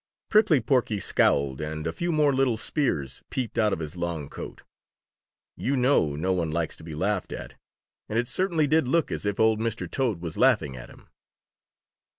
Prickly Porky scowled, and a few more little spears peeped out of his long coat. You know no one likes to be laughed at, and it certainly did look as if old Mr. Toad was laughing at him.